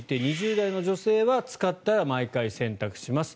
２０代の女性は使ったら毎回洗濯します。